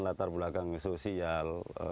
latar belakang sosial